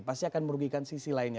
pasti akan merugikan sisi lainnya